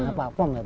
ya apa apem itu